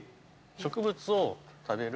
植物を食べる。